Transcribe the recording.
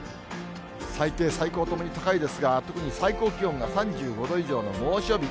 最低、最高ともに高いですが、特に最高気温が３５度以上の猛暑日。